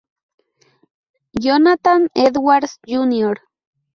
Jonathan Edwards Jr.